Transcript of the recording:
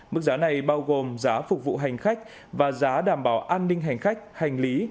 mức giá này bao gồm giá phục vụ hành khách và giá đảm bảo an ninh hành khách hành lý